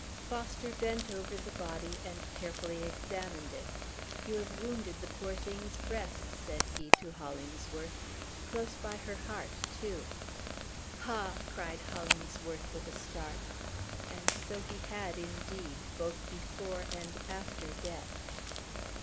Foster bent over the body, and carefully examined it. "You have wounded the poor thing's breast," said he to Hollingsworth, "close by her heart, too!" "Ha!" cried Hollingsworth with a start. And so he had, indeed, both before and after death!